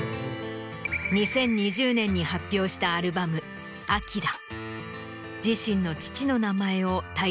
２０２０年に発表したアルバム『ＡＫＩＲＡ』。